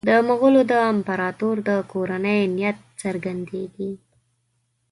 د مغولو د امپراطور د کورنۍ نیت څرګندېږي.